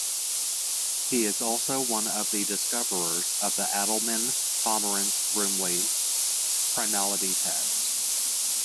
He is also one of the discoverers of the Adleman-Pomerance-Rumely primality test.